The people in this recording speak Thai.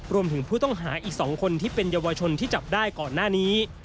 รวมถึงผู้ต้องหาอีก๒คนที่เป็นเยาวชนที่จับได้ก่อนหน้านี้